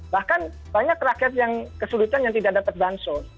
bahkan banyak rakyat yang kesulitan yang tidak dapat bansos